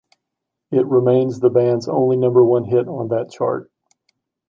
It remains the band's only number one hit on that chart.